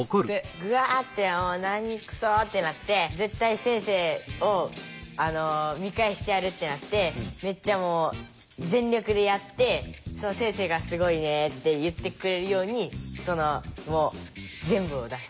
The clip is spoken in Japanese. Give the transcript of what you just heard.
ぐあって何くそってなって絶対先生を見返してやるってなってめっちゃもう全力でやって先生が「すごいね」って言ってくれるようにそのもう全部を出す。